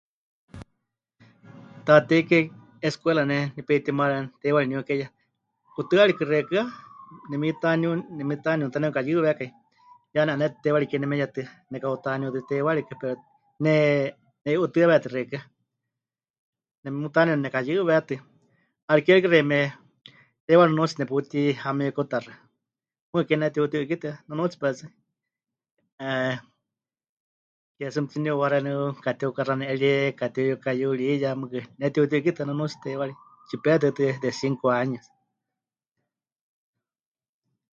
Taatei Kie escuela ne nepeitimá teiwari niukieya, 'utɨ́arikɨ xeikɨ́a, nemitaniu... nemitaniuni ta nemɨkayɨwékai, ya ne'anétɨ teiwari kie nemeyetɨa, neka'utaniútɨ teiwarikɨ pero ne... ne'i'utɨ́awetɨ xeikɨ́a, nemutaniuni nekayɨwétɨ, 'ariké ke rikɨ xeíme teiwari nunuutsi neputihamikutaxɨ, mɨɨkɨ ke pɨnetiuti'ɨ́kitɨa, nunuutsi perɨ tsɨ, 'e, ke tsɨ mɨtiniuwá xeeníu, katiukaxani'erie, katiuyukayuriya, mɨɨkɨ pɨnetiuti'ɨ́kitɨa nunuutsi teiwari, tsipetɨ tɨ, de cinco años.